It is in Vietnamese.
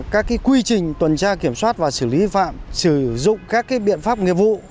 các quy trình tuần tra kiểm soát và xử lý phạm sử dụng các biện pháp nghiệp vụ